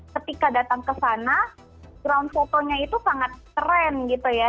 ketika datang ke sana ground fotonya itu sangat keren gitu ya